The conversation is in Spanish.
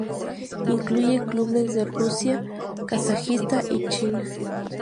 Incluye clubes de Rusia, Kazajistán y China.